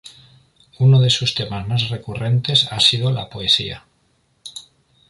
Uno de sus temas más recurrentes ha sido la poesía.